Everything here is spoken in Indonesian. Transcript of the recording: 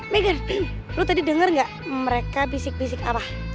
megan lo tadi dengar enggak mereka bisik bisik apa